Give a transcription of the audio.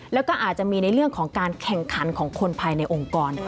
แล้วก็อาจจะมีในเรื่องของการแข่งขันของคนภายในองค์กร